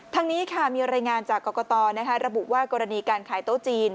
ทั้งนี้ค่ะมีรายงานจากกรกตระบุว่ากรณีการขายโต๊ะจีน